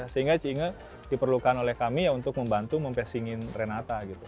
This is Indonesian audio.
sehingga si inge diperlukan oleh kami untuk membantu mempesingin renata